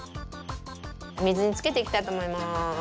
みずにつけていきたいとおもいます。